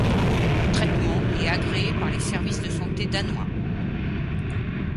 Le traitement est agréé par les Services de santé Danois.